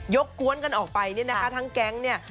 กกวนกันออกไปเนี่ยนะคะทั้งแก๊งเนี่ย